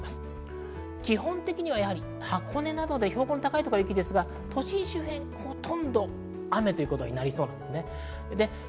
基本的には箱根などで標高の高いところは雪ですが、都心周辺はほとんど雨となりそうです。